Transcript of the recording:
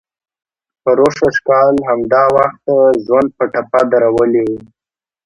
پروسږ کال همدا وخت ژوند په ټپه درولی و.